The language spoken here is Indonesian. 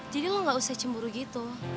jadi lu gausah cemburu gitu